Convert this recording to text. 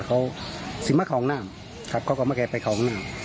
เขาสิมะเขางงนามครับเขาก็มาแก่ไปเขางงนาม